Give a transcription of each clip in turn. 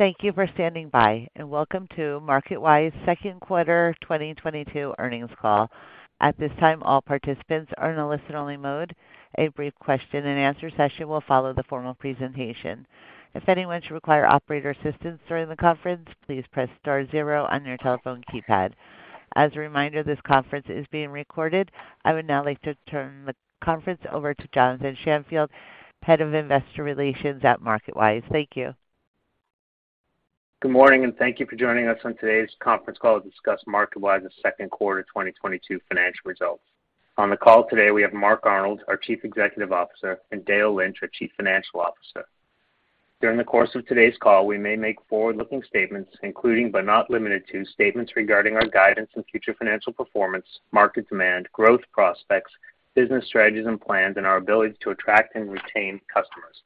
Thank you for standing by, and welcome to MarketWise second quarter 2022 earnings call. At this time, all participants are in a listen-only mode. A brief question and answer session will follow the formal presentation. If anyone should require operator assistance during the conference, please press star zero on your telephone keypad. As a reminder, this conference is being recorded. I would now like to turn the conference over to Jonathan Shanfield, Head of Investor Relations at MarketWise. Thank you. Good morning, and thank you for joining us on today's conference call to discuss MarketWise's second quarter 2022 financial results. On the call today, we have Mark Arnold, our Chief Executive Officer, and Dale Lynch, our Chief Financial Officer. During the course of today's call, we may make forward-looking statements, including but not limited to statements regarding our guidance and future financial performance, market demand, growth prospects, business strategies and plans, and our ability to attract and retain customers.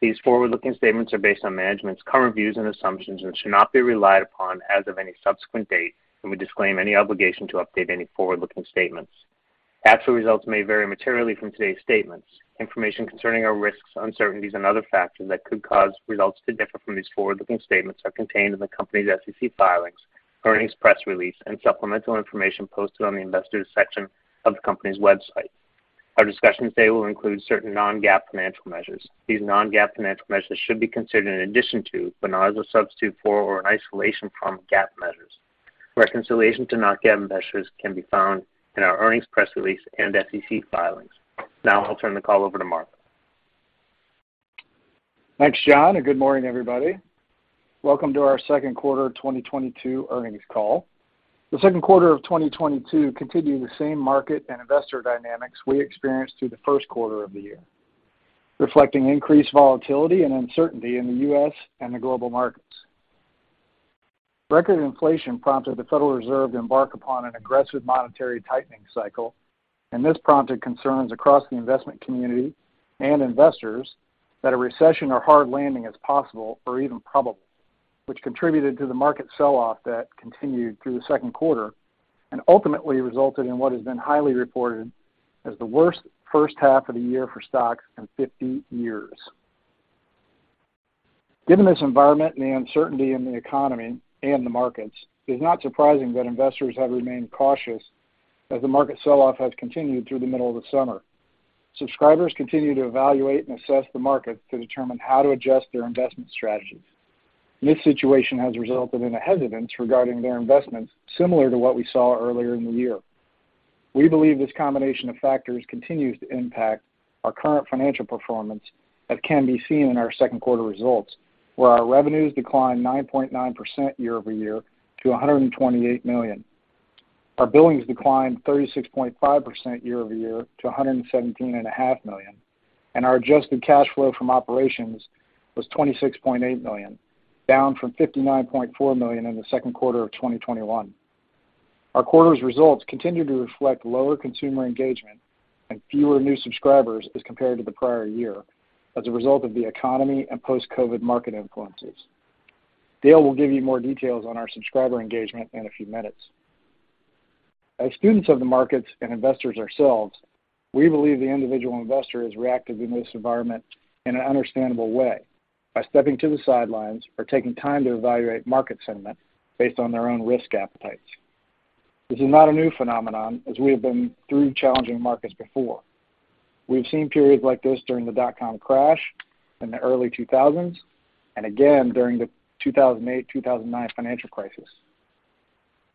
These forward-looking statements are based on management's current views and assumptions and should not be relied upon as of any subsequent date, and we disclaim any obligation to update any forward-looking statements. Actual results may vary materially from today's statements. Information concerning our risks, uncertainties, and other factors that could cause results to differ from these forward-looking statements are contained in the company's SEC filings, earnings press release, and supplemental information posted on the Investors section of the company's website. Our discussion today will include certain non-GAAP financial measures. These non-GAAP financial measures should be considered in addition to, but not as a substitute for or in isolation from GAAP measures. Reconciliation to non-GAAP measures can be found in our earnings press release and SEC filings. Now I'll turn the call over to Mark. Thanks, John, and good morning, everybody. Welcome to our second quarter 2022 earnings call. The second quarter of 2022 continued the same market and investor dynamics we experienced through the first quarter of the year, reflecting increased volatility and uncertainty in the U.S. and the global markets. Record inflation prompted the Federal Reserve to embark upon an aggressive monetary tightening cycle, and this prompted concerns across the investment community and investors that a recession or hard landing is possible or even probable, which contributed to the market sell-off that continued through the second quarter and ultimately resulted in what has been highly reported as the worst first half of the year for stocks in 50 years. Given this environment and the uncertainty in the economy and the markets, it is not surprising that investors have remained cautious as the market sell-off has continued through the middle of the summer. Subscribers continue to evaluate and assess the market to determine how to adjust their investment strategies, and this situation has resulted in a hesitance regarding their investments similar to what we saw earlier in the year. We believe this combination of factors continues to impact our current financial performance that can be seen in our second quarter results, where our revenues declined 9.9% year over year to $128 million. Our billings declined 36.5% year over year to $117.5 million. Our adjusted cash flow from operations was $26.8 million, down from $59.4 million in the second quarter of 2021. Our quarter's results continue to reflect lower consumer engagement and fewer new subscribers as compared to the prior year as a result of the economy and post-COVID market influences. Dale will give you more details on our subscriber engagement in a few minutes. As students of the markets and investors ourselves, we believe the individual investor has reacted in this environment in an understandable way by stepping to the sidelines or taking time to evaluate market sentiment based on their own risk appetites. This is not a new phenomenon as we have been through challenging markets before. We've seen periods like this during the dot-com crash in the early 2000s and again during the 2008, 2009 financial crisis.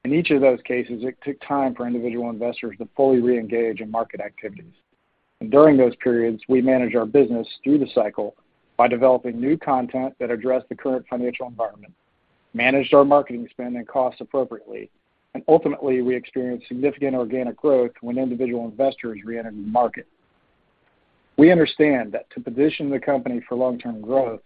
In each of those cases, it took time for individual investors to fully reengage in market activities. During those periods, we managed our business through the cycle by developing new content that addressed the current financial environment, managed our marketing spend and costs appropriately, and ultimately, we experienced significant organic growth when individual investors re-entered the market. We understand that to position the company for long-term growth,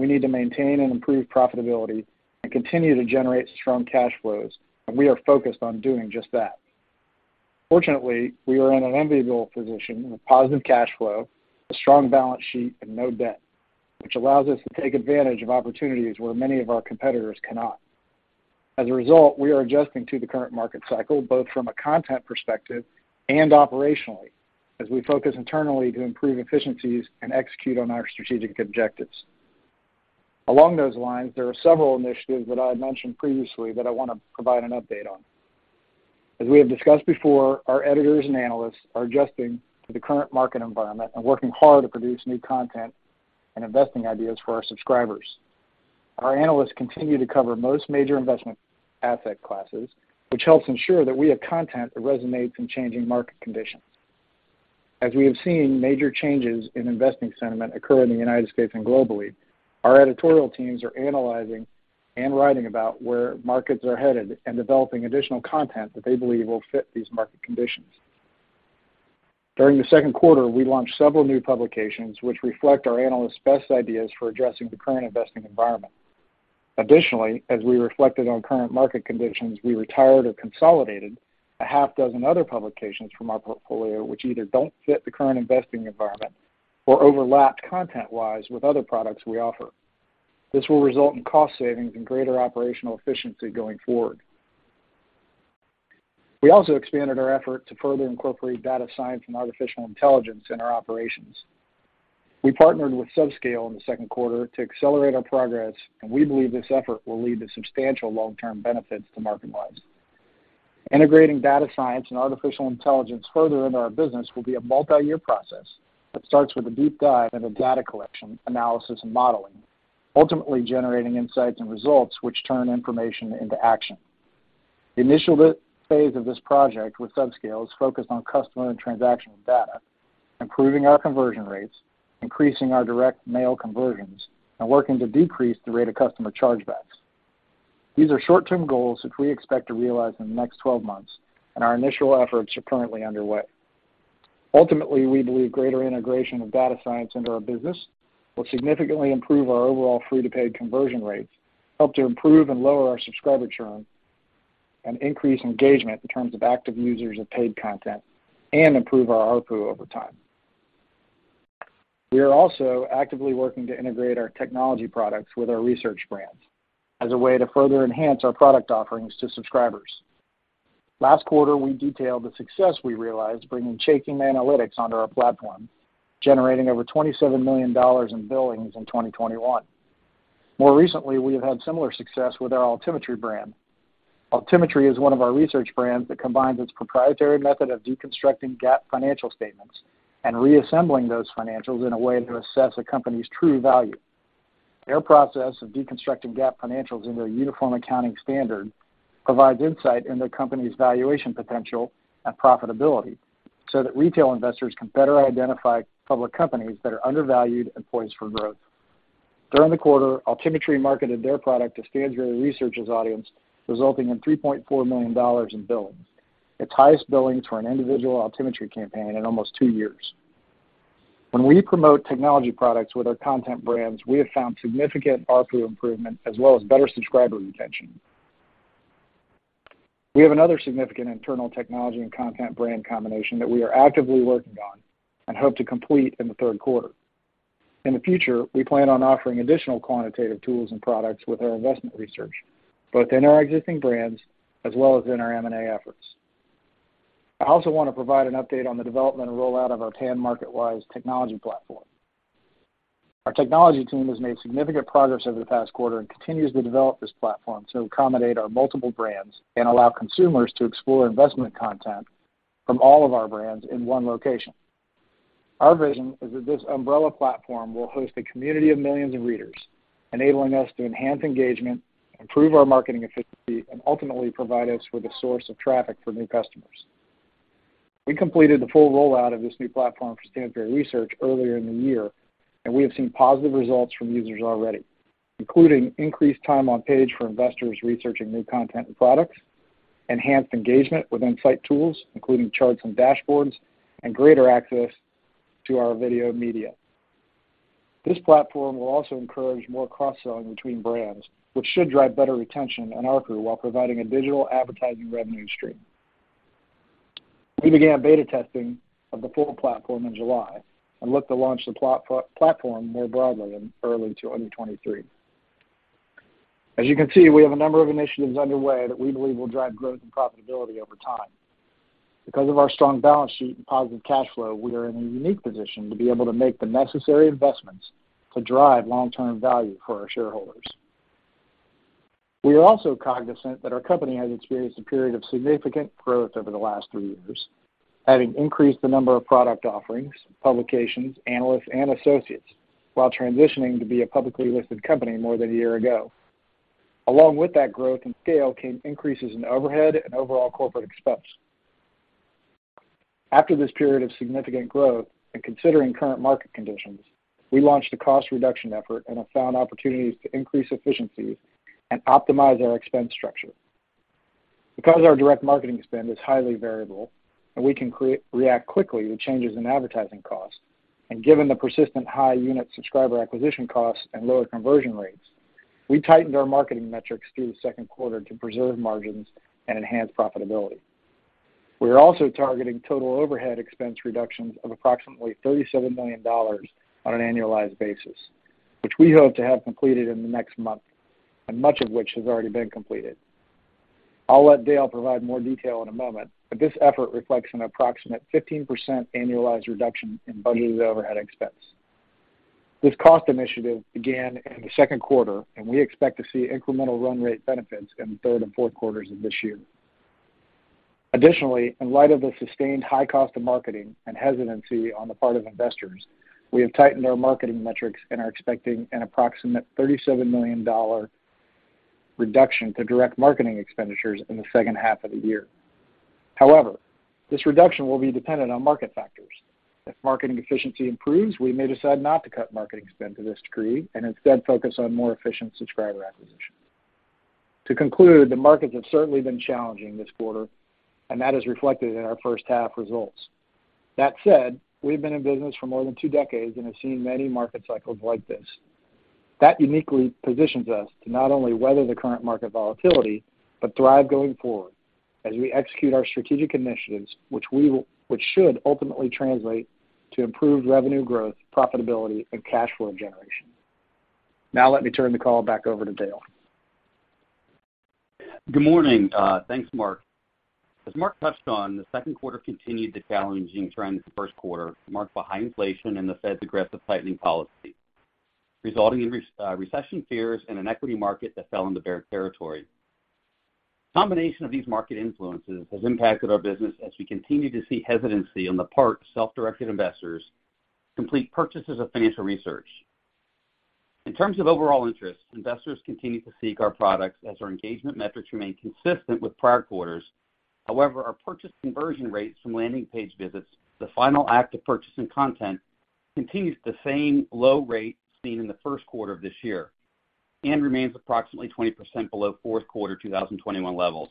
we need to maintain and improve profitability and continue to generate strong cash flows, and we are focused on doing just that. Fortunately, we are in an enviable position with positive cash flow, a strong balance sheet, and no debt, which allows us to take advantage of opportunities where many of our competitors cannot. As a result, we are adjusting to the current market cycle, both from a content perspective and operationally, as we focus internally to improve efficiencies and execute on our strategic objectives. Along those lines, there are several initiatives that I had mentioned previously that I want to provide an update on. As we have discussed before, our editors and analysts are adjusting to the current market environment and working hard to produce new content and investing ideas for our subscribers. Our analysts continue to cover most major investment asset classes, which helps ensure that we have content that resonates in changing market conditions. As we have seen major changes in investing sentiment occur in the United States and globally, our editorial teams are analyzing and writing about where markets are headed and developing additional content that they believe will fit these market conditions. During the second quarter, we launched several new publications which reflect our analysts' best ideas for addressing the current investing environment. Additionally, as we reflected on current market conditions, we retired or consolidated a half dozen other publications from our portfolio, which either don't fit the current investing environment or overlapped content-wise with other products we offer. This will result in cost savings and greater operational efficiency going forward. We also expanded our effort to further incorporate data science and artificial intelligence in our operations. We partnered with Subscale in the second quarter to accelerate our progress, and we believe this effort will lead to substantial long-term benefits to MarketWise. Integrating data science and artificial intelligence further into our business will be a multi-year process that starts with a deep dive into data collection, analysis, and modeling, ultimately generating insights and results which turn information into action. The initial two-phase of this project with Subscale is focused on customer and transactional data, improving our conversion rates, increasing our direct mail conversions, and working to decrease the rate of customer chargebacks. These are short-term goals which we expect to realize in the next 12 months, and our initial efforts are currently underway. Ultimately, we believe greater integration of data science into our business will significantly improve our overall free to paid conversion rates, help to improve and lower our subscriber churn, and increase engagement in terms of active users of paid content and improve our ARPU over time. We are also actively working to integrate our technology products with our research brands as a way to further enhance our product offerings to subscribers. Last quarter, we detailed the success we realized bringing Chaikin Analytics onto our platform, generating over $27 million in billings in 2021. More recently, we have had similar success with our Altimetry brand. Altimetry is one of our research brands that combines its proprietary method of deconstructing GAAP financial statements and reassembling those financials in a way to assess a company's true value. Their process of deconstructing GAAP financials into a uniform accounting standard provides insight into a company's valuation potential and profitability so that retail investors can better identify public companies that are undervalued and poised for growth. During the quarter, Altimetry marketed their product to Stansberry Research's audience, resulting in $3.4 million in billings, its highest billings for an individual Altimetry campaign in almost two years. When we promote technology products with our content brands, we have found significant ARPU improvement as well as better subscriber retention. We have another significant internal technology and content brand combination that we are actively working on and hope to complete in the third quarter. In the future, we plan on offering additional quantitative tools and products with our investment research, both in our existing brands as well as in our M&A efforts. I also wanna provide an update on the development and rollout of our new MarketWise technology platform. Our technology team has made significant progress over the past quarter and continues to develop this platform to accommodate our multiple brands and allow consumers to explore investment content from all of our brands in one location. Our vision is that this umbrella platform will host a community of millions of readers, enabling us to enhance engagement, improve our marketing efficiency, and ultimately provide us with a source of traffic for new customers. We completed the full rollout of this new platform for Stansberry Research earlier in the year, and we have seen positive results from users already, including increased time on page for investors researching new content and products, enhanced engagement with insight tools, including charts and dashboards, and greater access to our video media. This platform will also encourage more cross-selling between brands, which should drive better retention and ARPU while providing a digital advertising revenue stream. We began beta testing of the full platform in July and look to launch the platform more broadly in early 2023. As you can see, we have a number of initiatives underway that we believe will drive growth and profitability over time. Because of our strong balance sheet and positive cash flow, we are in a unique position to be able to make the necessary investments to drive long-term value for our shareholders. We are also cognizant that our company has experienced a period of significant growth over the last three years, having increased the number of product offerings, publications, analysts, and associates, while transitioning to be a publicly listed company more than a year ago. Along with that growth and scale came increases in overhead and overall corporate expense. After this period of significant growth and considering current market conditions, we launched a cost reduction effort and have found opportunities to increase efficiencies and optimize our expense structure. Because our direct marketing spend is highly variable and we can react quickly to changes in advertising costs, and given the persistent high unit subscriber acquisition costs and lower conversion rates, we tightened our marketing metrics through the second quarter to preserve margins and enhance profitability. We are also targeting total overhead expense reductions of approximately $37 million on an annualized basis, which we hope to have completed in the next month, and much of which has already been completed. I'll let Dale provide more detail in a moment, but this effort reflects an approximate 15% annualized reduction in budgeted overhead expense. This cost initiative began in the second quarter, and we expect to see incremental run rate benefits in the third and fourth quarters of this year. Additionally, in light of the sustained high cost of marketing and hesitancy on the part of investors, we have tightened our marketing metrics and are expecting an approximate $37 million reduction to direct marketing expenditures in the second half of the year. However, this reduction will be dependent on market factors. If marketing efficiency improves, we may decide not to cut marketing spend to this degree and instead focus on more efficient subscriber acquisition. To conclude, the markets have certainly been challenging this quarter, and that is reflected in our first half results. That said, we've been in business for more than two decades and have seen many market cycles like this. That uniquely positions us to not only weather the current market volatility, but thrive going forward as we execute our strategic initiatives, which should ultimately translate to improved revenue growth, profitability, and cash flow generation. Now let me turn the call back over to Dale. Good morning. Thanks, Mark. As Mark touched on, the second quarter continued the challenging trend of the first quarter, marked by high inflation and the Fed's aggressive tightening policy, resulting in recession fears and an equity market that fell into bear territory. The combination of these market influences has impacted our business as we continue to see hesitancy on the part of self-directed investors to complete purchases of financial research. In terms of overall interest, investors continue to seek our products as our engagement metrics remain consistent with prior quarters. However, our purchase conversion rates from landing page visits, the final act of purchasing content, continues the same low rate seen in the first quarter of this year and remains approximately 20% below fourth quarter 2021 levels.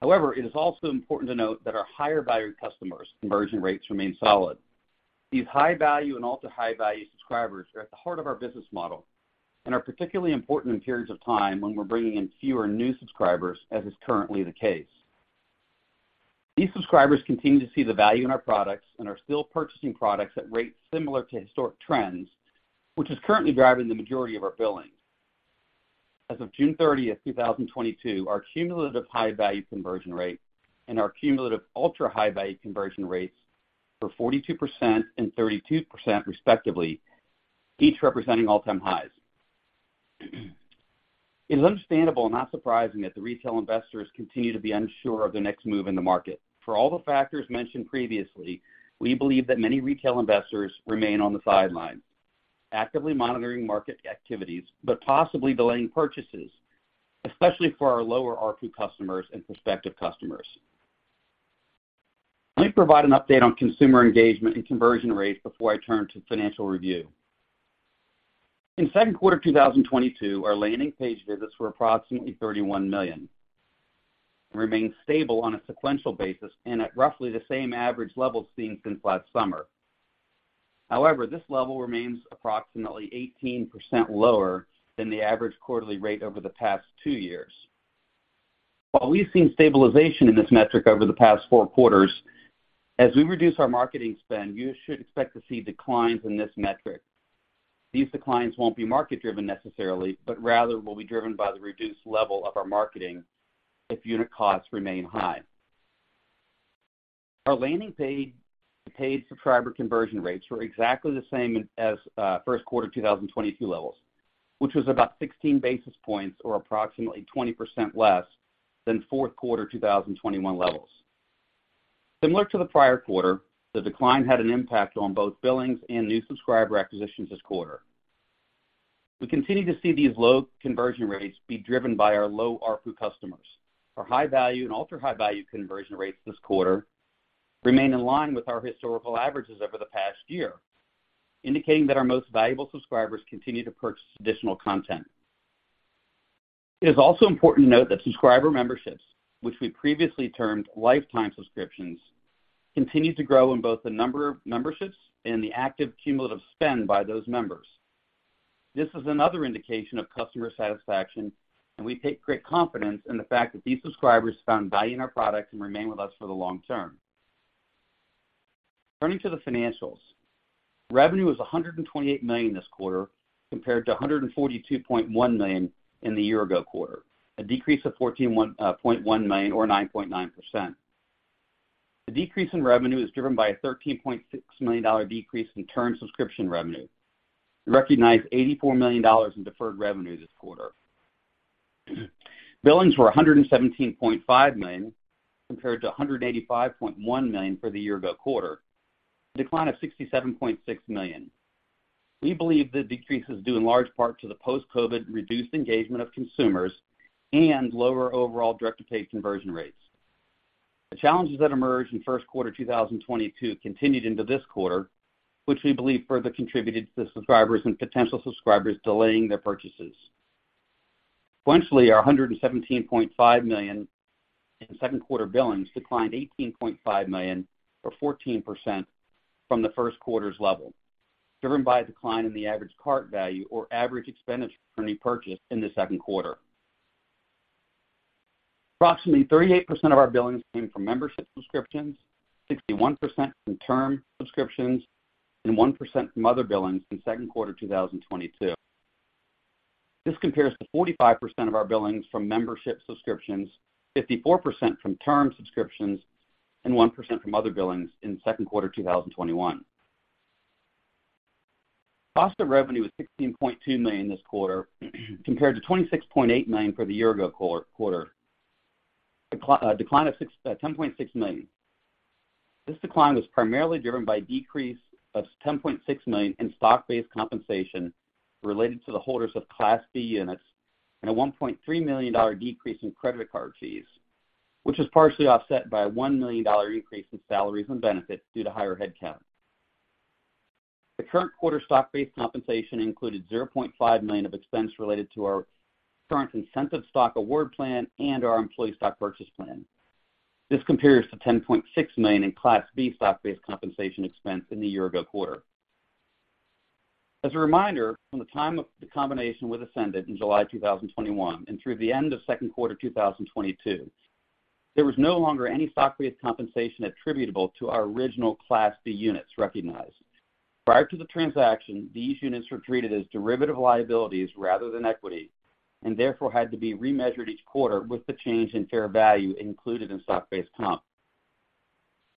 However, it is also important to note that our higher value customers' conversion rates remain solid. These high-value and ultra-high value subscribers are at the heart of our business model and are particularly important in periods of time when we're bringing in fewer new subscribers, as is currently the case. These subscribers continue to see the value in our products and are still purchasing products at rates similar to historic trends, which is currently driving the majority of our billings. As of June 30, 2022, our cumulative high-value conversion rate and our cumulative ultra-high value conversion rates were 42% and 32% respectively, each representing all-time highs. It is understandable and not surprising that the retail investors continue to be unsure of their next move in the market. For all the factors mentioned previously, we believe that many retail investors remain on the sidelines, actively monitoring market activities but possibly delaying purchases, especially for our lower ARPU customers and prospective customers. Let me provide an update on consumer engagement and conversion rates before I turn to financial review. In second quarter 2022, our landing page visits were approximately 31 million and remain stable on a sequential basis and at roughly the same average levels seen since last summer. However, this level remains approximately 18% lower than the average quarterly rate over the past 2 years. While we've seen stabilization in this metric over the past 4 quarters, as we reduce our marketing spend, you should expect to see declines in this metric. These declines won't be market-driven necessarily, but rather will be driven by the reduced level of our marketing if unit costs remain high. Our landing page paid subscriber conversion rates were exactly the same as first quarter 2022 levels, which was about 16 basis points or approximately 20% less than fourth quarter 2021 levels. Similar to the prior quarter, the decline had an impact on both billings and new subscriber acquisitions this quarter. We continue to see these low conversion rates be driven by our low ARPU customers. Our high-value and ultra-high value conversion rates this quarter remain in line with our historical averages over the past year, indicating that our most valuable subscribers continue to purchase additional content. It is also important to note that subscriber memberships, which we previously termed lifetime subscriptions, continue to grow in both the number of memberships and the active cumulative spend by those members. This is another indication of customer satisfaction, and we take great confidence in the fact that these subscribers found value in our product and remain with us for the long term. Turning to the financials. Revenue was $128 million this quarter, compared to $142.1 million in the year ago quarter, a decrease of $14.1 million or 9.9%. The decrease in revenue is driven by a $13.6 million decrease in term subscription revenue. We recognized $84 million in deferred revenue this quarter. Billings were $117.5 million compared to $185.1 million for the year ago quarter, a decline of $67.6 million. We believe the decrease is due in large part to the post-COVID reduced engagement of consumers and lower overall direct-to-paid conversion rates. The challenges that emerged in first quarter 2022 continued into this quarter, which we believe further contributed to subscribers and potential subscribers delaying their purchases. Sequentially, our $117.5 million in second quarter billings declined $18.5 million or 14% from the first quarter's level, driven by a decline in the average cart value or average expenditure per any purchase in the second quarter. Approximately 38% of our billings came from membership subscriptions, 61% from term subscriptions, and 1% from other billings in second quarter 2022. This compares to 45% of our billings from membership subscriptions, 54% from term subscriptions, and 1% from other billings in second quarter 2021. Cost of revenue was $16.2 million this quarter compared to $26.8 million for the year ago quarter, decline of $10.6 million. This decline was primarily driven by a decrease of $10.6 million in stock-based compensation related to the holders of Class B units and a $1.3 million decrease in credit card fees, which was partially offset by a $1 million increase in salaries and benefits due to higher headcount. The current quarter stock-based compensation included $0.5 million of expense related to our current incentive stock award plan and our employee stock purchase plan. This compares to $10.6 million in Class B stock-based compensation expense in the year ago quarter. As a reminder, from the time of the combination with Ascendant in July 2021 and through the end of second quarter 2022, there was no longer any stock-based compensation attributable to our original Class B units recognized. Prior to the transaction, these units were treated as derivative liabilities rather than equity, and therefore had to be remeasured each quarter with the change in fair value included in stock-based comp.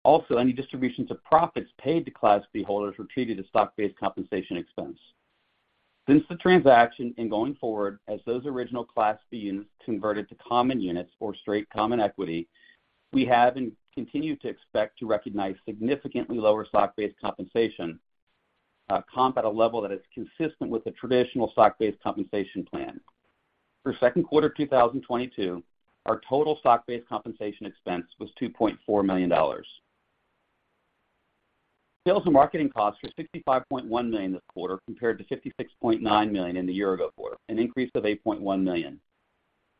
Also, any distributions of profits paid to Class B holders were treated as stock-based compensation expense. Since the transaction and going forward, as those original Class B units converted to common units or straight common equity, we have and continue to expect to recognize significantly lower stock-based compensation, comp at a level that is consistent with the traditional stock-based compensation plan. For second quarter 2022, our total stock-based compensation expense was $2.4 million. Sales and marketing costs were $65.1 million this quarter compared to $56.9 million in the year ago quarter, an increase of $8.1 million.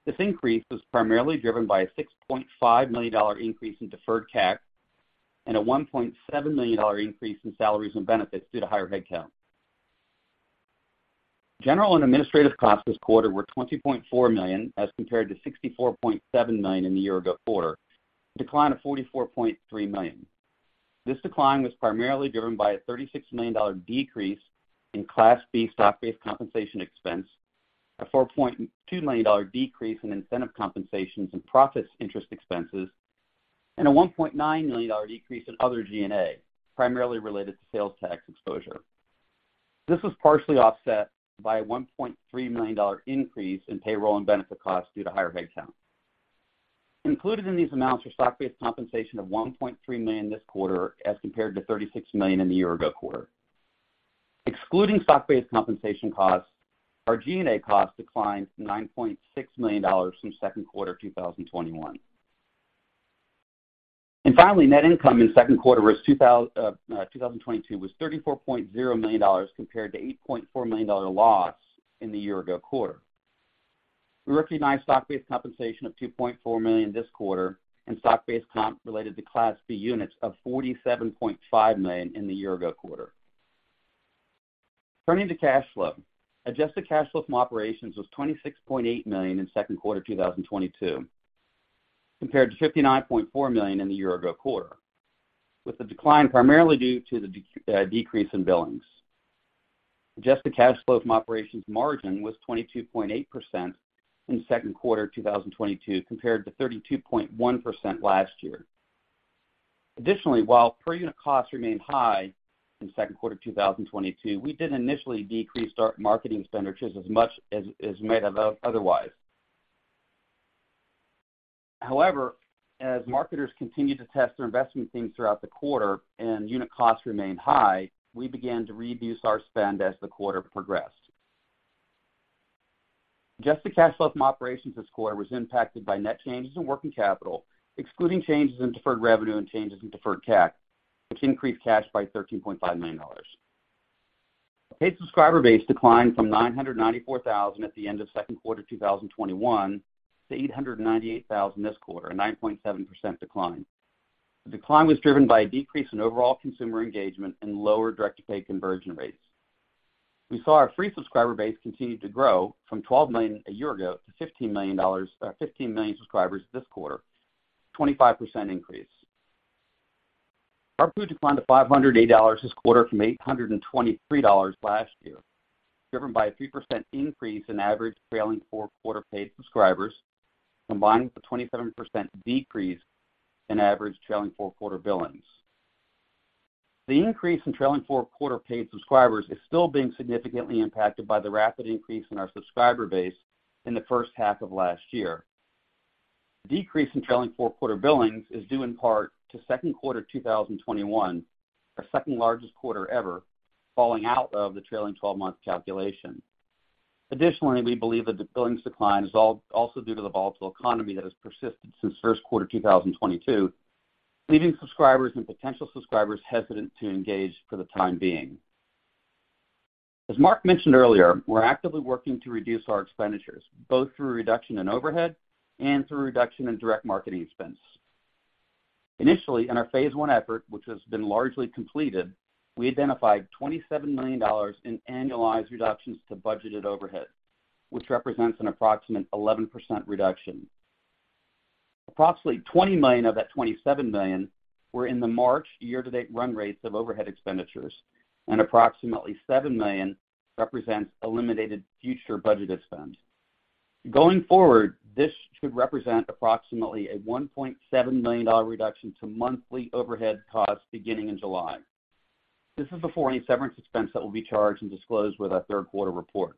This increase was primarily driven by a $6.5 million increase in deferred CAC and a $1.7 million increase in salaries and benefits due to higher headcount. General and administrative costs this quarter were $20.4 million as compared to $64.7 million in the year ago quarter, a decline of $44.3 million. This decline was primarily driven by a $36 million decrease in Class B stock-based compensation expense, a $4.2 million decrease in incentive compensations and profits interest expenses, and a $1.9 million decrease in other G&A, primarily related to sales tax exposure. This was partially offset by a $1.3 million increase in payroll and benefit costs due to higher headcount. Included in these amounts were stock-based compensation of $1.3 million this quarter as compared to $36 million in the year ago quarter. Excluding stock-based compensation costs, our G&A costs declined $9.6 million from second quarter 2021. Finally, net income in second quarter 2022 was $34.0 million compared to $8.4 million dollar loss in the year ago quarter. We recognized stock-based compensation of $2.4 million this quarter and stock-based comp related to Class B units of $47.5 million in the year ago quarter. Turning to cash flow. Adjusted cash flow from operations was $26.8 million in second quarter 2022, compared to $59.4 million in the year ago quarter, with the decline primarily due to the decrease in billings. Adjusted cash flow from operations margin was 22.8% in second quarter 2022 compared to 32.1% last year. Additionally, while per unit costs remained high in second quarter 2022, we did initially decrease our marketing expenditures as much as might have otherwise. However, as marketers continued to test their investment themes throughout the quarter and unit costs remained high, we began to reduce our spend as the quarter progressed. Adjusted cash flow from operations this quarter was impacted by net changes in working capital, excluding changes in deferred revenue and changes in deferred CAC, which increased cash by $13.5 million. Paid subscriber base declined from 994,000 at the end of second quarter 2021 to 898,000 this quarter, a 9.7% decline. The decline was driven by a decrease in overall consumer engagement and lower direct to pay conversion rates. We saw our free subscriber base continue to grow from 12 million a year ago to 15 million subscribers this quarter, a 25% increase. ARPU declined to $508 this quarter from $823 last year, driven by a 3% increase in average trailing four quarter paid subscribers, combined with a 27% decrease in average trailing four quarter billings. The increase in trailing four quarter paid subscribers is still being significantly impacted by the rapid increase in our subscriber base in the first half of last year. Decrease in trailing four quarter billings is due in part to second quarter 2021, our second largest quarter ever, falling out of the trailing 12-month calculation. Additionally, we believe that the billings decline is also due to the volatile economy that has persisted since first quarter 2022, leaving subscribers and potential subscribers hesitant to engage for the time being. As Mark mentioned earlier, we're actively working to reduce our expenditures, both through a reduction in overhead and through a reduction in direct marketing expense. Initially, in our phase one effort, which has been largely completed, we identified $27 million in annualized reductions to budgeted overhead, which represents an approximate 11% reduction. Approximately $20 million of that $27 million were in the March year-to-date run rates of overhead expenditures, and approximately $7 million represents eliminated future budgeted spend. Going forward, this should represent approximately a $1.7 million reduction to monthly overhead costs beginning in July. This is before any severance expense that will be charged and disclosed with our third quarter report.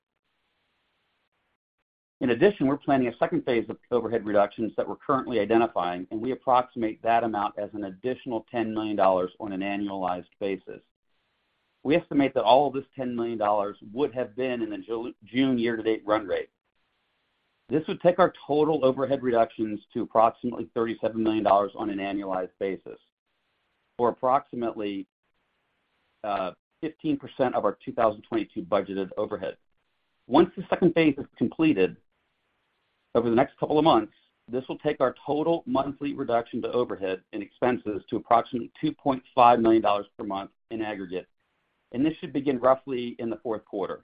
In addition, we're planning a second phase of overhead reductions that we're currently identifying, and we approximate that amount as an additional $10 million on an annualized basis. We estimate that all of this $10 million would have been in the June year-to-date run rate. This would take our total overhead reductions to approximately $37 million on an annualized basis, or approximately 15% of our 2022 budgeted overhead. Once the second phase is completed over the next couple of months, this will take our total monthly reduction to overhead and expenses to approximately $2.5 million per month in aggregate, and this should begin roughly in the fourth quarter.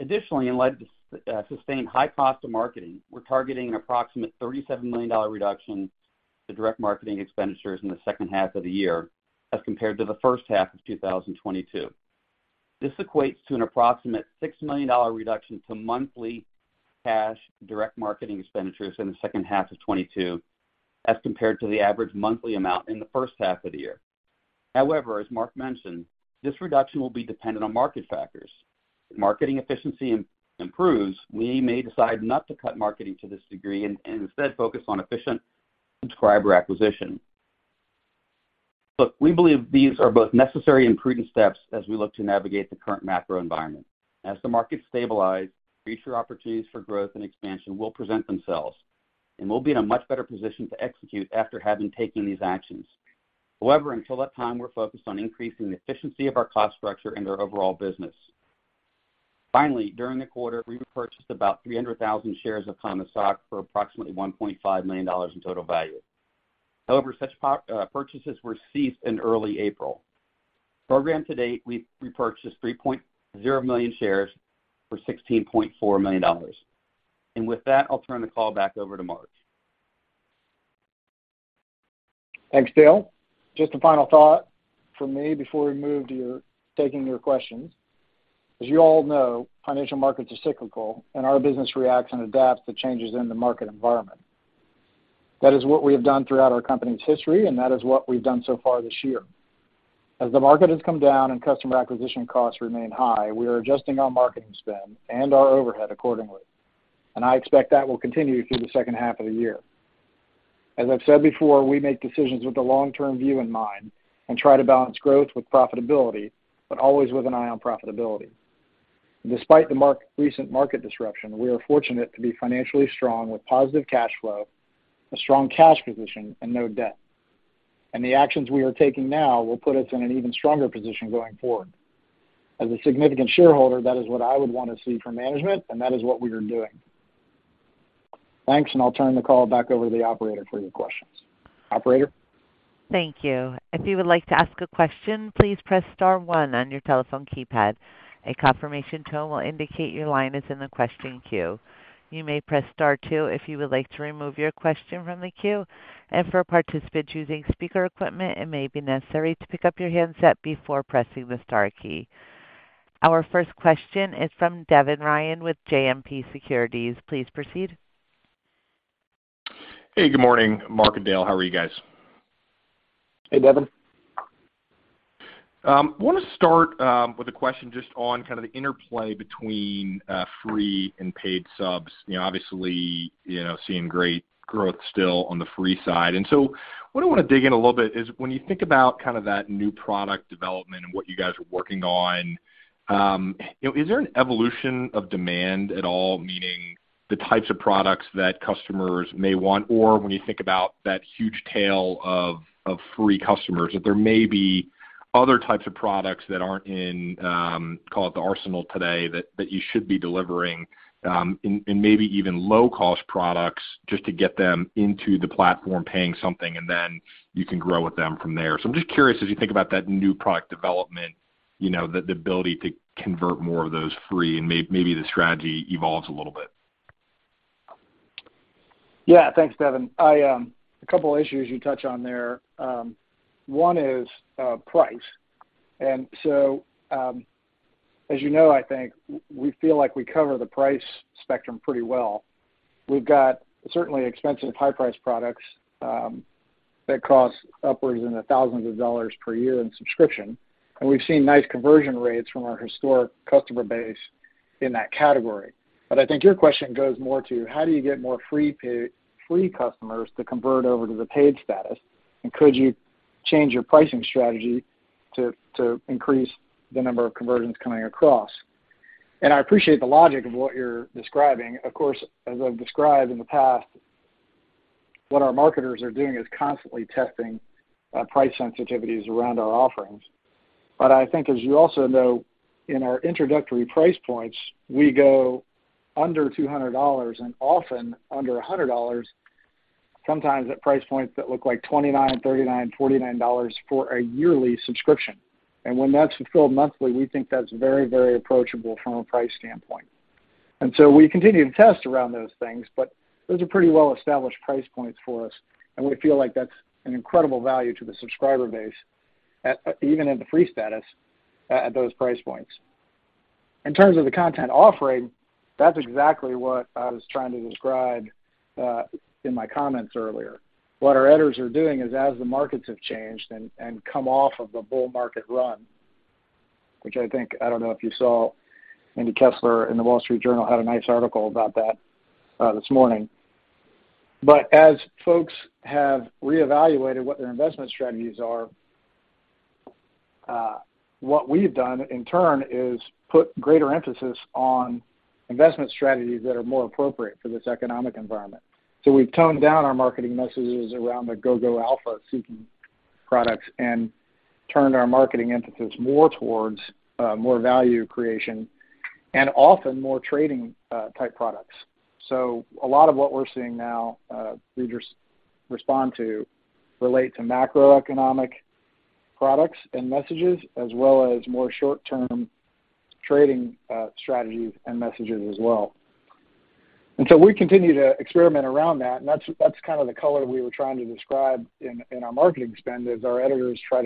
Additionally, in light of sustained high cost of marketing, we're targeting an approximate $37 million reduction to direct marketing expenditures in the second half of the year as compared to the first half of 2022. This equates to an approximate $6 million reduction to monthly cash direct marketing expenditures in the second half of 2022 as compared to the average monthly amount in the first half of the year. However, as Mark mentioned, this reduction will be dependent on market factors. If marketing efficiency improves, we may decide not to cut marketing to this degree and instead focus on efficient subscriber acquisition. Look, we believe these are both necessary and prudent steps as we look to navigate the current macro environment. As the market stabilizes, future opportunities for growth and expansion will present themselves, and we'll be in a much better position to execute after having taken these actions. However, until that time, we're focused on increasing the efficiency of our cost structure and our overall business. Finally, during the quarter, we repurchased about 300,000 shares of common stock for approximately $1.5 million in total value. However, such purchases were ceased in early April. Program to date, we've repurchased 3.0 million shares for $16.4 million. With that, I'll turn the call back over to Mark. Thanks, Dale. Just a final thought from me before we move to taking your questions. As you all know, financial markets are cyclical, and our business reacts and adapts to changes in the market environment. That is what we have done throughout our company's history, and that is what we've done so far this year. As the market has come down and customer acquisition costs remain high, we are adjusting our marketing spend and our overhead accordingly, and I expect that will continue through the second half of the year. As I've said before, we make decisions with the long-term view in mind and try to balance growth with profitability, but always with an eye on profitability. Despite the recent market disruption, we are fortunate to be financially strong with positive cash flow, a strong cash position, and no debt. The actions we are taking now will put us in an even stronger position going forward. As a significant shareholder, that is what I would want to see from management, and that is what we are doing. Thanks, and I'll turn the call back over to the operator for your questions. Operator? Thank you. If you would like to ask a question, please press star one on your telephone keypad. A confirmation tone will indicate your line is in the question queue. You may press Star two if you would like to remove your question from the queue. For participants using speaker equipment, it may be necessary to pick up your handset before pressing the Star key. Our first question is from Devin Ryan with JMP Securities. Please proceed. Hey, good morning, Mark and Dale. How are you guys? Hey, Devin. Want to start with a question just on kind of the interplay between free and paid subs. You know, obviously, you know, seeing great growth still on the free side. What I want to dig in a little bit is when you think about kind of that new product development and what you guys are working on, you know, is there an evolution of demand at all, meaning the types of products that customers may want, or when you think about that huge tail of free customers, that there may be other types of products that aren't in, call it the arsenal today that you should be delivering, and maybe even low-cost products just to get them into the platform paying something, and then you can grow with them from there. I'm just curious as you think about that new product development, you know, the ability to convert more of those free and maybe the strategy evolves a little bit. Yeah. Thanks, Devin. A couple of issues you touch on there. One is price. As you know, I think we feel like we cover the price spectrum pretty well. We've got certainly expensive high-price products that cost upwards in the thousands of dollars per year in subscription, and we've seen nice conversion rates from our historic customer base in that category. I think your question goes more to how do you get more free customers to convert over to the paid status? Could you change your pricing strategy to increase the number of conversions coming across? I appreciate the logic of what you're describing. Of course, as I've described in the past, what our marketers are doing is constantly testing price sensitivities around our offerings. I think as you also know, in our introductory price points, we go under $200 and often under $100, sometimes at price points that look like $29, $39, $49 for a yearly subscription. When that's fulfilled monthly, we think that's very, very approachable from a price standpoint. We continue to test around those things, but those are pretty well-established price points for us, and we feel like that's an incredible value to the subscriber base at even at the free status at those price points. In terms of the content offering, that's exactly what I was trying to describe in my comments earlier. What our editors are doing is as the markets have changed and come off of a bull market run, which I think, I don't know if you saw Andy Kessler in The Wall Street Journal had a nice article about that, this morning. As folks have reevaluated what their investment strategies are, what we've done in turn is put greater emphasis on investment strategies that are more appropriate for this economic environment. We've toned down our marketing messages around the go alpha-seeking products and turned our marketing emphasis more towards, more value creation and often more trading, type products. A lot of what we're seeing now, readers respond to relate to macroeconomic products and messages as well as more short-term trading, strategies and messages as well. We continue to experiment around that, and that's kind of the color we were trying to describe in our marketing spend, is our editors try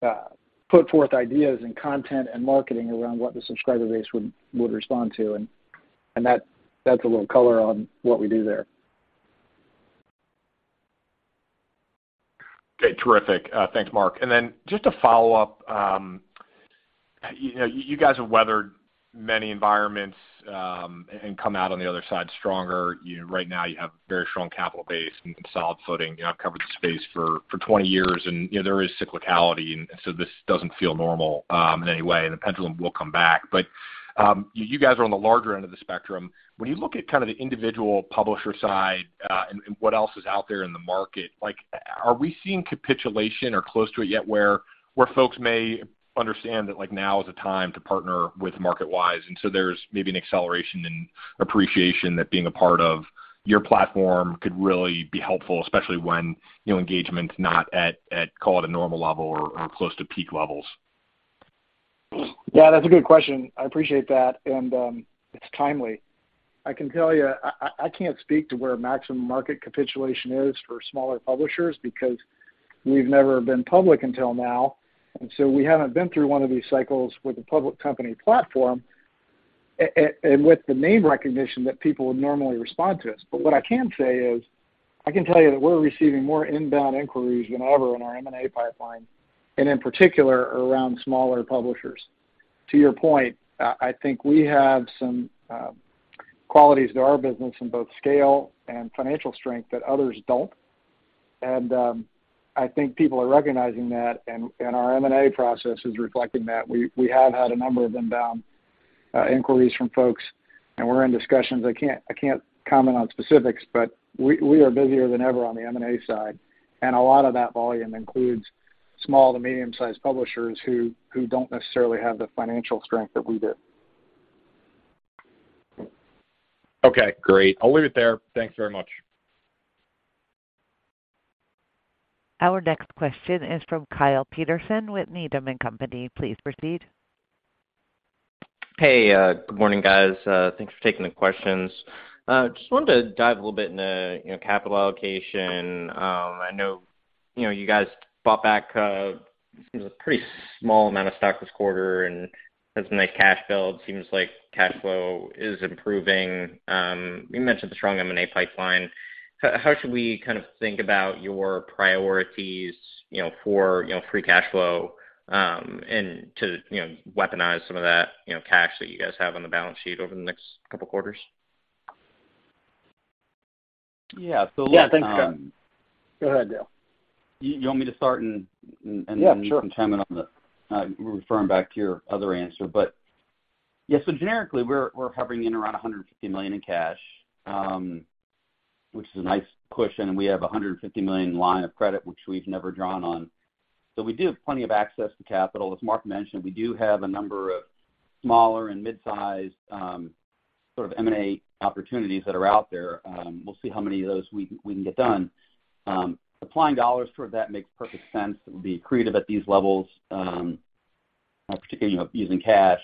to put forth ideas and content and marketing around what the subscriber base would respond to. That's a little color on what we do there. Okay, terrific. Thanks, Mark. Just a follow-up, you know, you guys have weathered many environments and come out on the other side stronger. You know, right now you have very strong capital base and solid footing. You have covered the space for 20 years and, you know, there is cyclicality and so this doesn't feel normal in any way, and the pendulum will come back. You guys are on the larger end of the spectrum. When you look at kind of the individual publisher side, and what else is out there in the market, like are we seeing capitulation or close to it yet where folks may understand that, like now is the time to partner with MarketWise, and so there's maybe an acceleration and appreciation that being a part of your platform could really be helpful, especially when, you know, engagement's not at call it a normal level or close to peak levels? Yeah, that's a good question. I appreciate that. It's timely. I can tell you, I can't speak to where maximum market capitulation is for smaller publishers because we've never been public until now, and so we haven't been through one of these cycles with a public company platform and with the name recognition that people would normally respond to us. What I can say is, I can tell you that we're receiving more inbound inquiries than ever in our M&A pipeline, and in particular around smaller publishers. To your point, I think we have some qualities to our business in both scale and financial strength that others don't, and I think people are recognizing that and our M&A process is reflecting that. We have had a number of inbound inquiries from folks, and we're in discussions. I can't comment on specifics, but we are busier than ever on the M&A side, and a lot of that volume includes small to medium-sized publishers who don't necessarily have the financial strength that we do. Okay, great. I'll leave it there. Thanks very much. Our next question is from Kyle Peterson with Needham & Company. Please proceed. Hey, good morning, guys. Thanks for taking the questions. Just wanted to dive a little bit into, you know, capital allocation. I know, you know, you guys bought back a pretty small amount of stock this quarter and had some nice cash build. Seems like cash flow is improving. You mentioned the strong M&A pipeline. How should we kind of think about your priorities, you know, for, you know, free cash flow, and to, you know, weaponize some of that, you know, cash that you guys have on the balance sheet over the next couple quarters? Yeah. Yeah. Thanks, Kyle. Go ahead, Dale. You want me to start? Yeah, sure. Referring back to your other answer. Yeah, generically we're hovering in around $150 million in cash, which is a nice cushion, and we have a $150 million line of credit, which we've never drawn on. We do have plenty of access to capital. As Mark mentioned, we do have a number of smaller and mid-sized sort of M&A opportunities that are out there. We'll see how many of those we can get done. Applying dollars toward that makes perfect sense. It would be accretive at these levels, particularly, you know, using cash.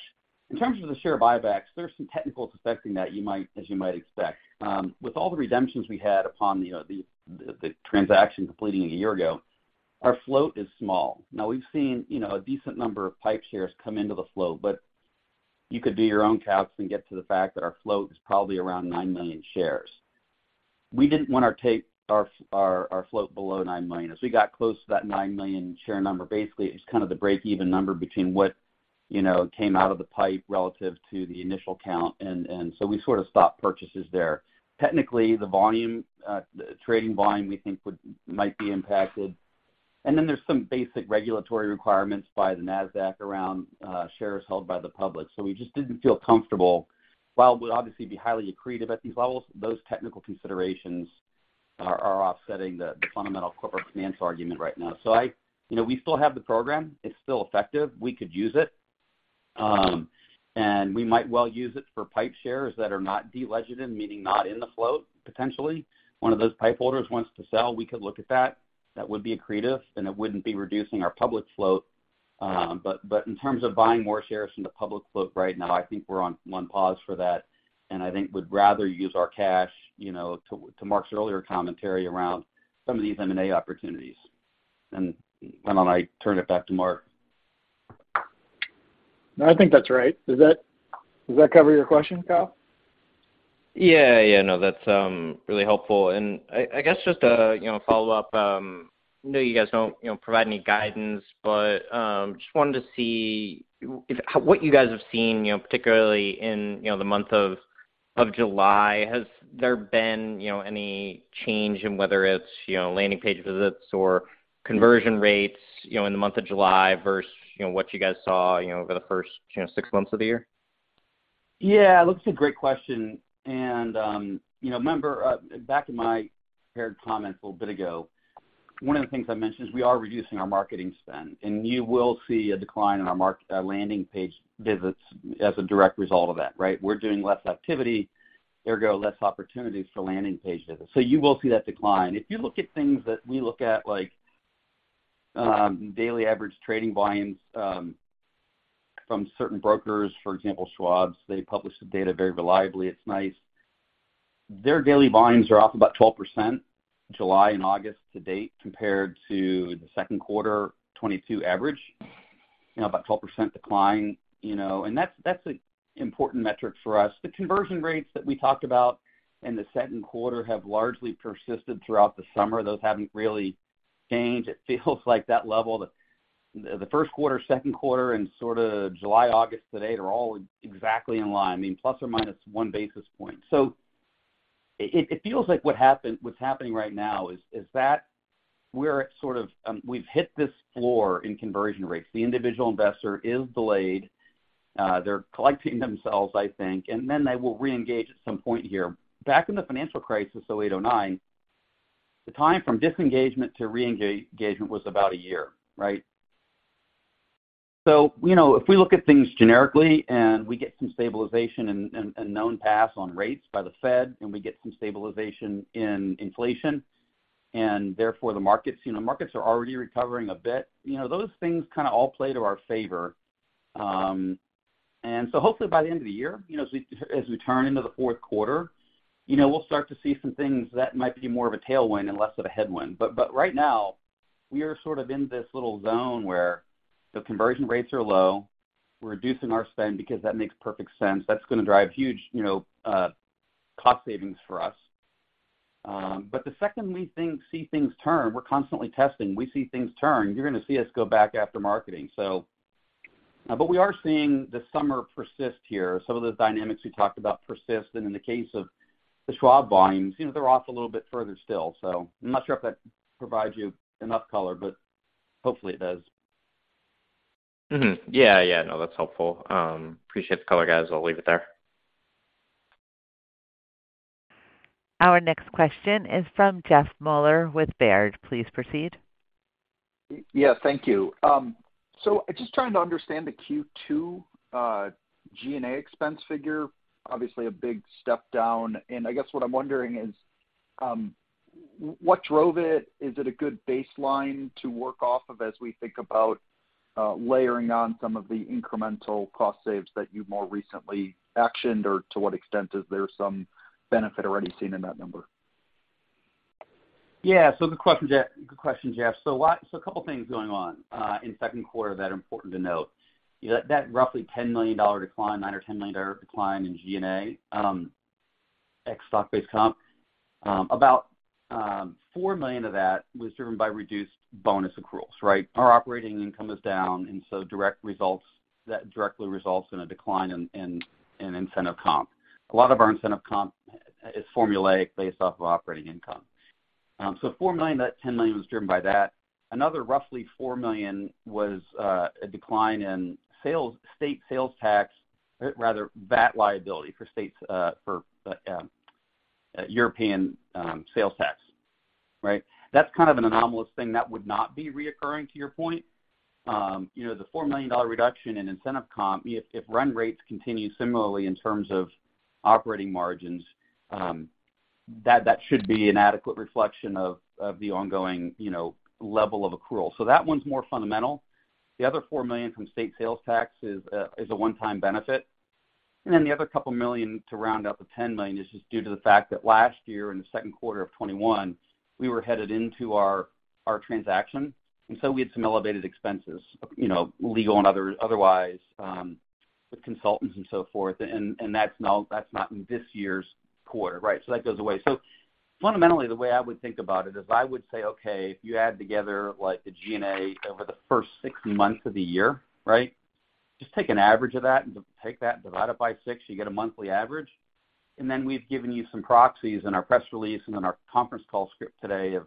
In terms of the share buybacks, there's some technicals affecting that you might, as you might expect. With all the redemptions we had upon, you know, the transaction completing a year ago, our float is small. Now we've seen, you know, a decent number of PIPE shares come into the float, but you could do your own calcs and get to the fact that our float is probably around 9 million shares. We didn't want to take our float below 9 million. As we got close to that 9 million share number, basically it was kind of the break-even number between what, you know, came out of the PIPE relative to the initial count and so we sort of stopped purchases there. Technically, the volume, the trading volume we think might be impacted. There's some basic regulatory requirements by the Nasdaq around shares held by the public. We just didn't feel comfortable. While we'd obviously be highly accretive at these levels, those technical considerations are offsetting the fundamental corporate finance argument right now. You know, we still have the program. It's still effective. We could use it. We might well use it for PIPE shares that are not de-legended, meaning not in the float, potentially. One of those PIPE holders wants to sell, we could look at that. That would be accretive, and it wouldn't be reducing our public float. But in terms of buying more shares from the public float right now, I think we're on pause for that, and I think we'd rather use our cash, you know, to Mark's earlier commentary around some of these M&A opportunities. Why don't I turn it back to Mark? No, I think that's right. Does that cover your question, Kyle? Yeah, yeah, no, that's really helpful. I guess just a you know follow-up. I know you guys don't you know provide any guidance, but just wanted to see if what you guys have seen you know particularly in you know the month of July. Has there been you know any change in whether it's you know landing page visits or conversion rates you know in the month of July versus you know what you guys saw you know over the first you know six months of the year? Yeah. Look, it's a great question. You know, remember back in my prepared comments a little bit ago, one of the things I mentioned is we are reducing our marketing spend, and you will see a decline in our landing page visits as a direct result of that, right? We're doing less activity, ergo less opportunities for landing page visits. You will see that decline. If you look at things that we look at like daily average trading volumes from certain brokers, for example, Schwab's, they publish the data very reliably. It's nice. Their daily volumes are off about 12% July and August to date compared to the second quarter 2022 average. You know, about 12% decline, you know, and that's an important metric for us. The conversion rates that we talked about in the second quarter have largely persisted throughout the summer. Those haven't really changed. It feels like that level, the first quarter, second quarter and sort of July, August to date are all exactly in line, I mean plus or minus 1 basis point. It feels like what's happening right now is that we're at sort of, we've hit this floor in conversion rates. The individual investor is delayed. They're collecting themselves, I think, and then they will reengage at some point here. Back in the financial crisis, 2008, 2009, the time from disengagement to reengagement was about a year, right? You know, if we look at things generically and we get some stabilization and known paths on rates by the Fed and we get some stabilization in inflation, and therefore the markets, you know, markets are already recovering a bit, you know, those things kinda all play to our favor. Hopefully by the end of the year, you know, as we turn into the fourth quarter, you know, we'll start to see some things that might be more of a tailwind and less of a headwind. Right now, we are sort of in this little zone where the conversion rates are low. We're reducing our spend because that makes perfect sense. That's gonna drive huge, you know, cost savings for us. The second we see things turn, we're constantly testing. We see things turn, you're gonna see us go back after marketing. We are seeing the summer persist here. Some of the dynamics we talked about persist. In the case of the Schwab volumes, you know, they're off a little bit further still. I'm not sure if that provides you enough color, but hopefully it does. Mm-hmm. Yeah, yeah. No, that's helpful. Appreciate the color, guys. I'll leave it there. Our next question is from Jeffrey Meuler with Baird. Please proceed. Yeah. Thank you. So just trying to understand the Q2 G&A expense figure, obviously a big step down. I guess what I'm wondering is, what drove it? Is it a good baseline to work off of as we think about layering on some of the incremental cost saves that you've more recently actioned? Or to what extent is there some benefit already seen in that number? Yeah. Good question, Jeff. A couple things going on in second quarter that are important to note. You know, that roughly $10 million decline, $9 or $10 million decline in G&A ex stock-based comp, about $4 million of that was driven by reduced bonus accruals, right? Our operating income is down, that directly results in a decline in incentive comp. A lot of our incentive comp is formulaic based off of operating income. $4 million, that $10 million was driven by that. Another roughly $4 million was a decline in state sales tax, rather VAT liability for states for European sales tax. Right? That's kind of an anomalous thing. That would not be recurring to your point. You know, the $4 million reduction in incentive comp, if run rates continue similarly in terms of operating margins, that should be an adequate reflection of the ongoing, you know, level of accrual. That one's more fundamental. The other $4 million from state sales tax is a one-time benefit. Then the other couple million to round out the $10 million is just due to the fact that last year in the second quarter of 2021, we were headed into our transaction, and so we had some elevated expenses, you know, legal and otherwise, with consultants and so forth. That's not in this year's quarter, right? That goes away. Fundamentally, the way I would think about it is I would say, okay, if you add together like the G&A over the first 6 months of the year, right? Just take an average of that and take that and divide it by 6, you get a monthly average. Then we've given you some proxies in our press release and in our conference call script today of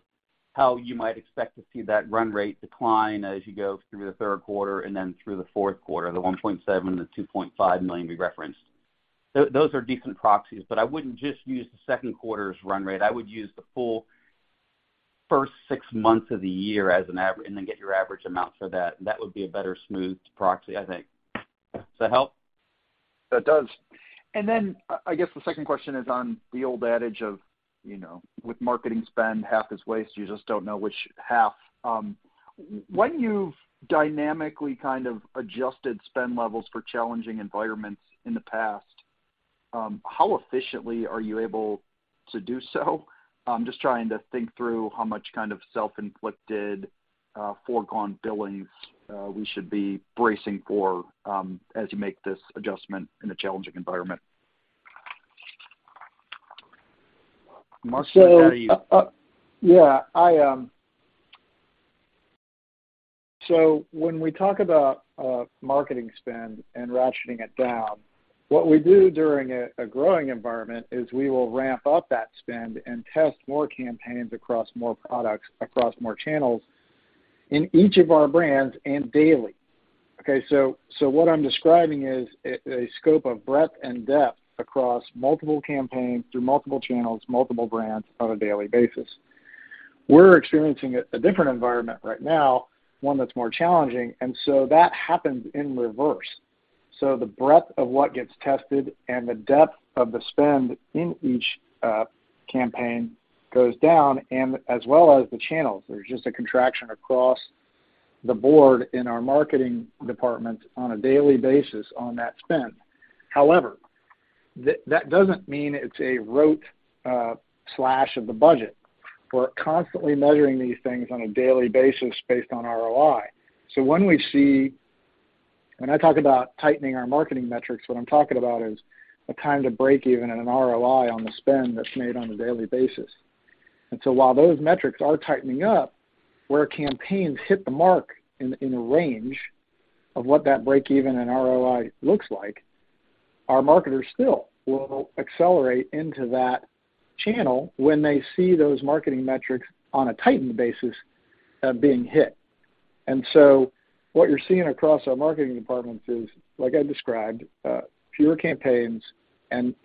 how you might expect to see that run rate decline as you go through the third quarter and then through the fourth quarter, the $1.7, the $2.5 million we referenced. Those are decent proxies, but I wouldn't just use the second quarter's run rate. I would use the full first 6 months of the year as an average and then get your average amount for that. That would be a better smoothed proxy, I think. Does that help? That does. I guess the second question is on the old adage of, you know, with marketing spend, half is waste, you just don't know which half. When you've dynamically kind of adjusted spend levels for challenging environments in the past, how efficiently are you able to do so? I'm just trying to think through how much kind of self-inflicted foregone billings we should be bracing for as you make this adjustment in a challenging environment. Mark, do you care to- When we talk about marketing spend and ratcheting it down, what we do during a growing environment is we will ramp up that spend and test more campaigns across more products, across more channels in each of our brands and daily. What I'm describing is a scope of breadth and depth across multiple campaigns through multiple channels, multiple brands on a daily basis. We're experiencing a different environment right now, one that's more challenging, and so that happens in reverse. The breadth of what gets tested and the depth of the spend in each campaign goes down as well as the channels. There's just a contraction across the board in our marketing department on a daily basis on that spend. However, that doesn't mean it's a rote slash of the budget. We're constantly measuring these things on a daily basis based on ROI. When I talk about tightening our marketing metrics, what I'm talking about is a time to breakeven and an ROI on the spend that's made on a daily basis. While those metrics are tightening up, where campaigns hit the mark in a range of what that breakeven and ROI looks like, our marketers still will accelerate into that channel when they see those marketing metrics on a tightened basis, being hit. What you're seeing across our marketing departments is, like I described, fewer campaigns and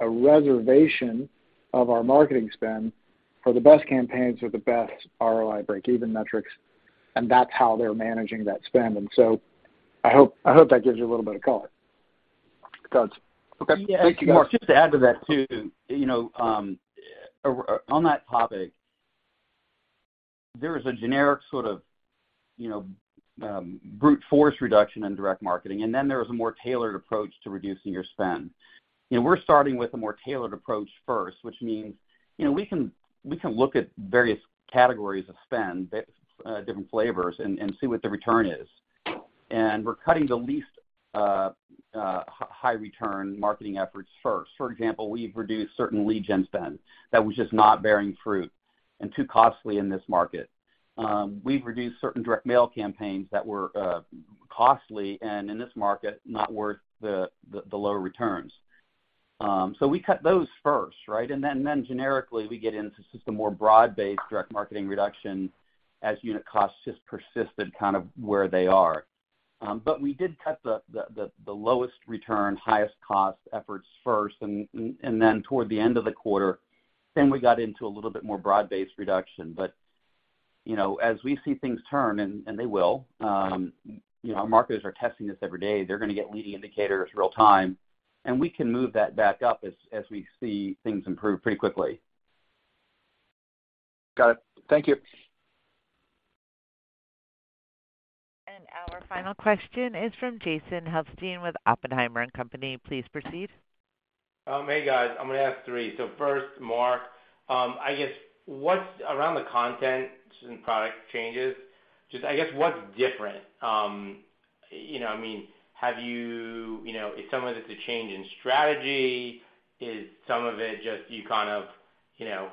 a reservation of our marketing spend for the best campaigns with the best ROI breakeven metrics, and that's how they're managing that spend. I hope that gives you a little bit of color. Gotcha. Okay. Thank you, guys. Yeah, Mark, just to add to that too, you know, on that topic, there is a generic sort of, you know, brute force reduction in direct marketing, and then there is a more tailored approach to reducing your spend. You know, we're starting with a more tailored approach first, which means, you know, we can look at various categories of spend, different flavors and see what the return is. We're cutting the least high return marketing efforts first. For example, we've reduced certain lead gen spend that was just not bearing fruit and too costly in this market. We've reduced certain direct mail campaigns that were costly, and in this market, not worth the low returns. So we cut those first, right? Generically, we get into just a more broad-based direct marketing reduction as unit costs just persisted kind of where they are. We did cut the lowest return, highest cost efforts first and then toward the end of the quarter, then we got into a little bit more broad-based reduction. You know, as we see things turn, and they will, you know, our marketers are testing this every day. They're gonna get leading indicators real-time, and we can move that back up as we see things improve pretty quickly. Got it. Thank you. Our final question is from Jason Helfstein with Oppenheimer & Co. Please proceed. Hey, guys. I'm gonna ask three. First, Mark, I guess what's around the content and product changes, just I guess what's different? You know, I mean, have you? You know, is some of it the change in strategy? Is some of it just you kind of, you know,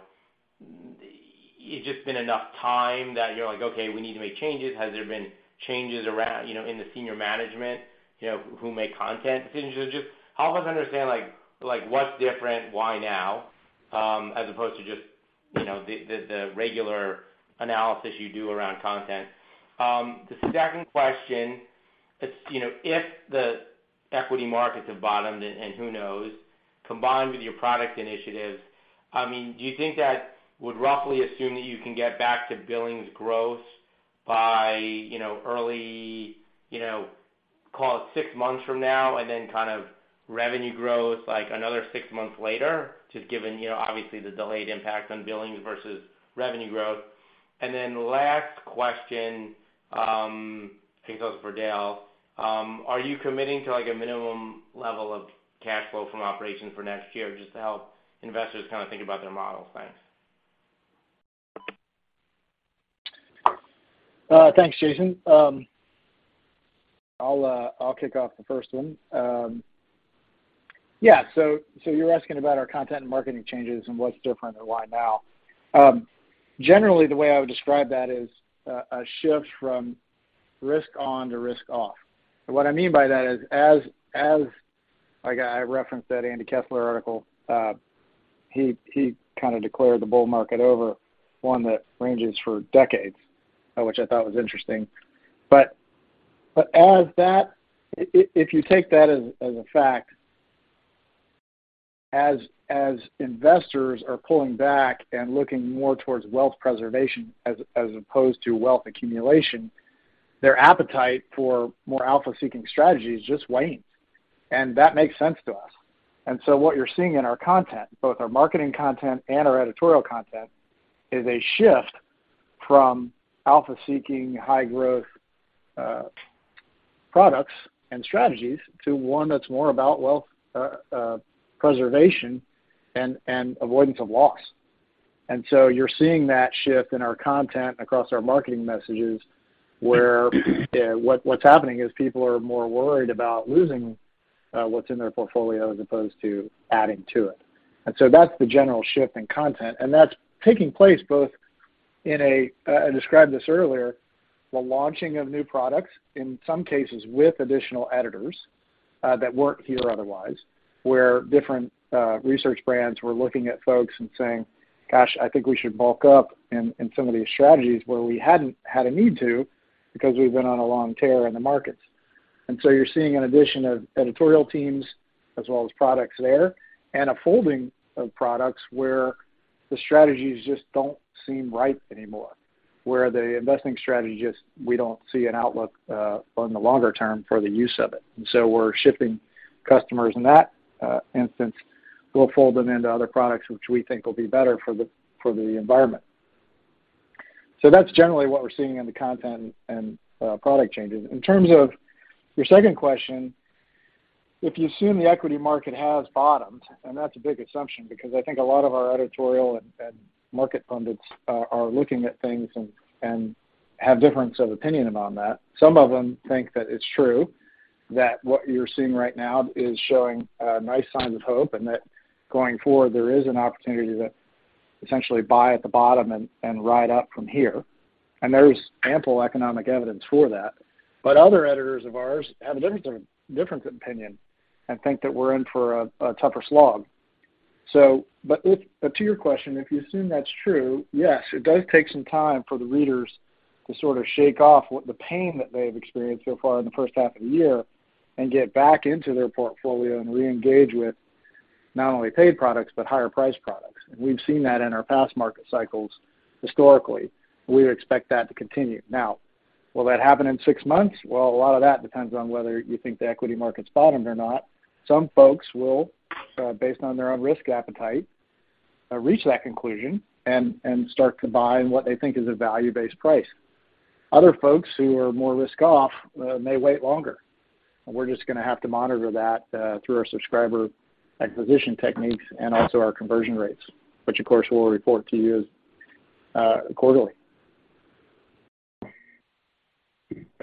it's just been enough time that you're like, "Okay, we need to make changes." Has there been changes around, you know, in the senior management, you know, who make content decisions? Just help us understand, like, what's different? Why now? As opposed to just, you know, the regular analysis you do around content. The second question is, you know, if the equity markets have bottomed, and who knows, combined with your product initiatives, I mean, do you think that would roughly assume that you can get back to billings growth by, you know, early, you know, call it six months from now and then kind of revenue growth like another six months later, just given, you know, obviously the delayed impact on billings versus revenue growth? Then last question, I think this is for Dale. Are you committing to, like, a minimum level of cash flow from operations for next year just to help investors kind of think about their models? Thanks. Thanks, Jason. I'll kick off the first one. So you're asking about our content and marketing changes and what's different and why now. Generally, the way I would describe that is a shift from risk on to risk off. What I mean by that is, like I referenced that Andy Kessler article, he kind of declared the bull market over, one that ranges for decades, which I thought was interesting. If you take that as a fact, as investors are pulling back and looking more towards wealth preservation as opposed to wealth accumulation, their appetite for more alpha-seeking strategies just wanes. That makes sense to us. What you're seeing in our content, both our marketing content and our editorial content, is a shift from alpha-seeking, high growth, products and strategies to one that's more about wealth, preservation and avoidance of loss. You're seeing that shift in our content across our marketing messages, where what's happening is people are more worried about losing what's in their portfolio as opposed to adding to it. That's the general shift in content, and that's taking place both in a, I described this earlier, the launching of new products, in some cases with additional editors, that weren't here otherwise, where different, research brands were looking at folks and saying, "Gosh, I think we should bulk up in some of these strategies where we hadn't had a need to because we've been on a long tear in the markets." You're seeing an addition of editorial teams as well as products there and a folding of products where the strategies just don't seem right anymore. Where the investing strategy, we don't see an outlook on the longer term for the use of it. We're shifting customers in that instance. We'll fold them into other products which we think will be better for the environment. That's generally what we're seeing in the content and product changes. In terms of your second question, if you assume the equity market has bottomed, and that's a big assumption because I think a lot of our editorial and market pundits are looking at things and have difference of opinion about that. Some of them think that it's true that what you're seeing right now is showing nice signs of hope, and that going forward, there is an opportunity to essentially buy at the bottom and ride up from here. There's ample economic evidence for that. Other editors of ours have a different opinion and think that we're in for a tougher slog. To your question, if you assume that's true, yes, it does take some time for the readers to sort of shake off what the pain that they've experienced so far in the first half of the year and get back into their portfolio and reengage with not only paid products but higher-priced products. We've seen that in our past market cycles historically. We expect that to continue. Now, will that happen in six months? Well, a lot of that depends on whether you think the equity market's bottomed or not. Some folks will, based on their own risk appetite, reach that conclusion and start to buy in what they think is a value-based price. Other folks who are more risk-off, may wait longer. We're just gonna have to monitor that through our subscriber acquisition techniques and also our conversion rates, which of course, we'll report to you quarterly.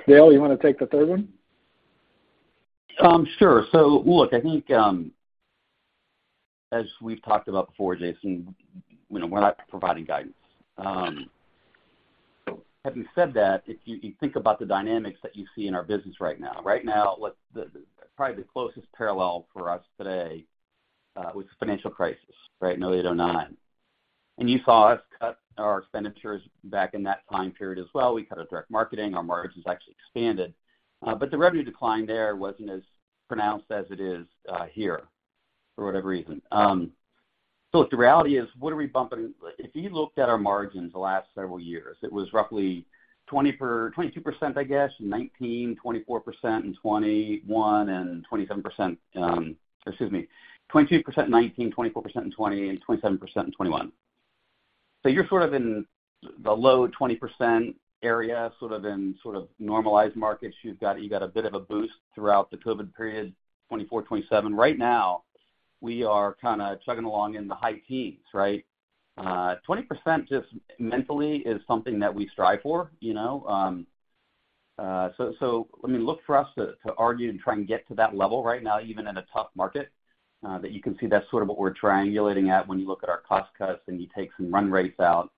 Dale, you wanna take the third one? Sure. Look, I think, as we've talked about before, Jason, you know, we're not providing guidance. Having said that, if you think about the dynamics that you see in our business right now. Right now, the closest parallel for us today was the financial crisis, right? In 2008, 2009. You saw us cut our expenditures back in that time period as well. We cut our direct marketing. Our margins actually expanded. But the revenue decline there wasn't as pronounced as it is here for whatever reason. Look, the reality is. If you looked at our margins the last several years, it was roughly 22%, I guess, in 2019, 24% in 2020, uncertain. Excuse me, 22% in 2019, 24% in 2020, and 27% in 2021. You're sort of in the low 20% area, sort of in normalized markets. You got a bit of a boost throughout the COVID period, 24%, 27%. Right now, we are kinda chugging along in the high teens, right? 20% just mentally is something that we strive for, you know? I mean, look for us to argue and try and get to that level right now, even in a tough market, that you can see that's sort of what we're triangulating at when you look at our cost cuts and you take some run rates out.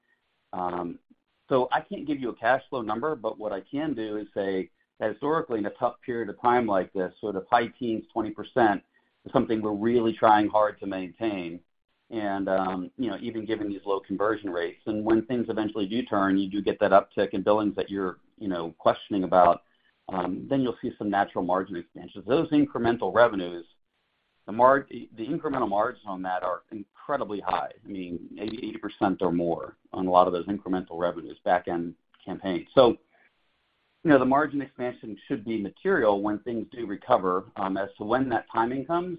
I can't give you a cash flow number, but what I can do is say, historically, in a tough period of time like this, sort of high teens, 20% is something we're really trying hard to maintain. You know, even given these low conversion rates. When things eventually do turn, you do get that uptick in billings that you're, you know, questioning about, then you'll see some natural margin expansion. Those incremental revenues, the incremental margins on that are incredibly high, I mean 80% or more on a lot of those incremental revenues, back-end campaigns. You know, the margin expansion should be material when things do recover. As to when that timing comes,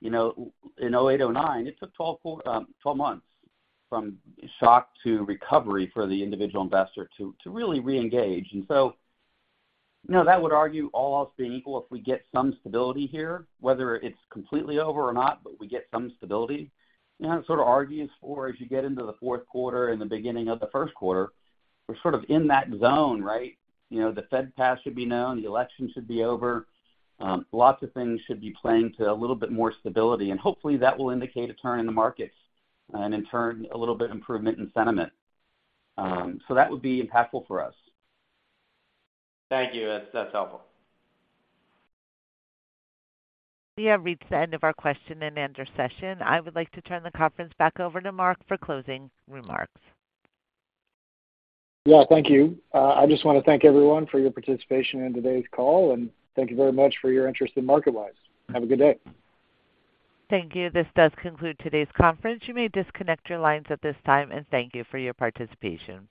you know, in 2008, 2009, it took 12 months from shock to recovery for the individual investor to really reengage. You know, that would argue all else being equal, if we get some stability here, whether it's completely over or not, but we get some stability, you know, it sort of argues for as you get into the fourth quarter and the beginning of the first quarter, we're sort of in that zone, right? You know, the Fed path should be known, the election should be over. Lots of things should be playing to a little bit more stability. Hopefully, that will indicate a turn in the markets and in turn, a little bit improvement in sentiment. That would be impactful for us. Thank you. That's helpful. We have reached the end of our question and answer session. I would like to turn the conference back over to Mark for closing remarks. Yeah, thank you. I just wanna thank everyone for your participation in today's call, and thank you very much for your interest in MarketWise. Have a good day. Thank you. This does conclude today's conference. You may disconnect your lines at this time, and thank you for your participation.